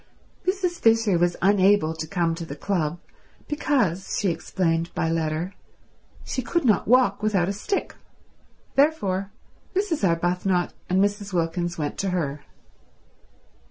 Mrs. Fisher was unable to come to the club because, she explained by letter, she could not walk without a stick; therefore Mrs. Arbuthnot and Mrs. Wilkins went to her.